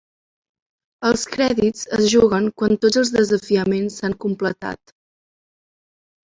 Els crèdits es juguen quan tots els desafiaments s'han completat.